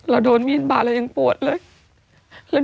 เราโดนมีนบาร์แล้วยังปวดเลย